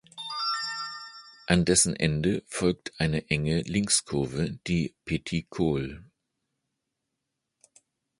An dessen Ende folgt eine enge Linkskurve, die "Petit Col".